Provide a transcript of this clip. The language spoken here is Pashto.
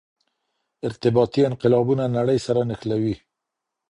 ارتباطي انقلابونه نړۍ سره نښلوي.